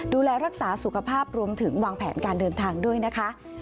ดูแลรักษาสุขภาพรวมถึงวางแผนการเดินทางด้วยนะคะ